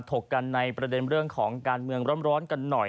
ถกกันในประเด็นเรื่องของการเมืองร้อนกันหน่อย